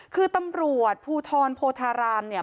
คือตำรวจภูทรโพธารามเนี่ย